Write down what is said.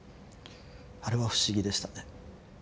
あれは不思議でしたね。